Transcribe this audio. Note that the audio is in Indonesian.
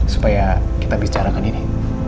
supaya kita bicarakan ini